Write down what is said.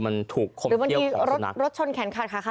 มันถูกคมเตี้ยวของสุดนัก